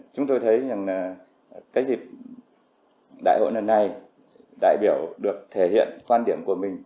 chúng tôi thấy rằng cái dịp đại hội lần này đại biểu được thể hiện quan điểm của mình